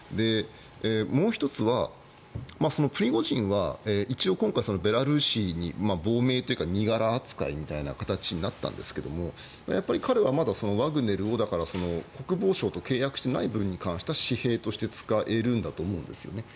もう１つは、プリゴジンは一応、今回ベラルーシに亡命というか身柄扱いみたいな形になったんですが彼はまだワグネルを国防省と契約していない分に関しては私兵として使えるんだと思うんですよね。